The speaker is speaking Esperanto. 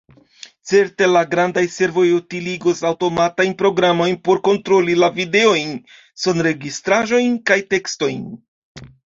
Certe la grandaj servoj utiligos aŭtomatajn programojn por kontroli la videojn, sonregistraĵojn kaj tekstojn.